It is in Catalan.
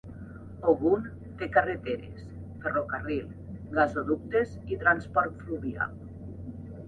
Ogun té carreteres, ferrocarril, gasoductes i transport fluvial.